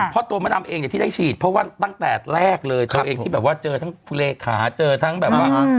เพราะตัวมะดำเองเนี่ยที่ได้ฉีดเพราะว่าตั้งแต่แรกเลยตัวเองที่แบบว่าเจอทั้งคุณเลขาเจอทั้งแบบว่า